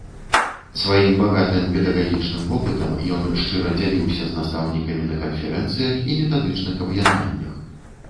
Сваім багатым педагагічным вопытам ён шчыра дзяліўся з настаўнікамі на канферэнцыях і метадычных аб'яднаннях.